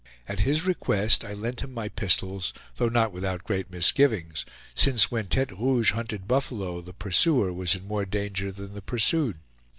At his request, I lent him my pistols, though not without great misgivings, since when Tete Rouge hunted buffalo the pursuer was in more danger than the pursued.